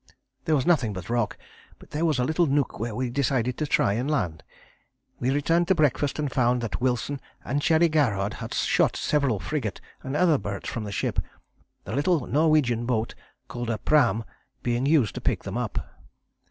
"There was nothing but rock, but there was a little nook where we decided to try and land. We returned to breakfast and found that Wilson and Cherry Garrard had shot several Frigate and other birds from the ship, the little Norwegian boat called a Pram being used to pick them up.